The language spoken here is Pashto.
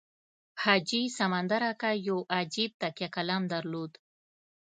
حاجي سمندر اکا یو عجیب تکیه کلام درلود.